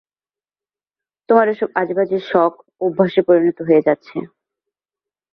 তোমার এসব আজেবাজে শখ অভ্যাসে পরিণত হয়ে যাচ্ছে।